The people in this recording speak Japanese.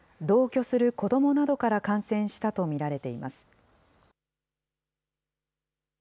同居する子どもなどから感染したと見られています。